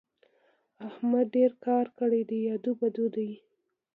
احمد ډېر کار کړی دی؛ ادو بدو دی.